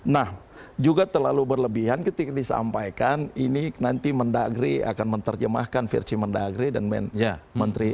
nah juga terlalu berlebihan ketika disampaikan ini nanti mendagri akan menerjemahkan versi mendagri dan menteri